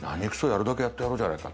やるだけやってやろうじゃないか！